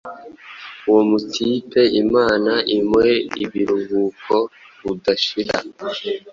uwo mutipe imana imuhe ibiruhuko budashira